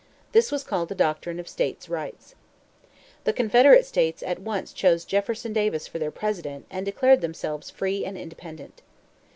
This was called the doctrine of States' Rights. The Confederate States at once chose Jefferson Davis for their President, and declared themselves free and independent.